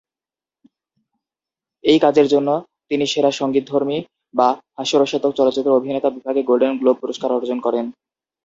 এই কাজের জন্য তিনি সেরা সঙ্গীতধর্মী বা হাস্যরসাত্মক চলচ্চিত্র অভিনেতা বিভাগে গোল্ডেন গ্লোব পুরস্কার অর্জন করেন।